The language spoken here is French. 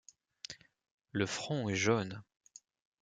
Le front est jaune.